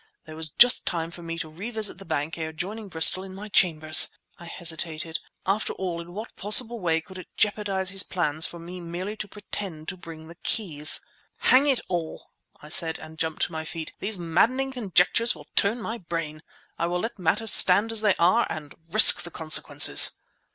There was just time for me to revisit the bank ere joining Bristol at my chambers! I hesitated. After all, in what possible way could it jeopardize his plans for me merely to pretend to bring the keys? "Hang it all!" I said, and jumped to my feet. "These maddening conjectures will turn my brain! I'll let matters stand as they are, and risk the consequences!"